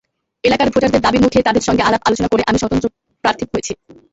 এলাকার ভোটারদের দাবির মুখে, তাঁদের সঙ্গে আলাপ-আলোচনা করে আমি স্বতন্ত্র প্রার্থী হয়েছি।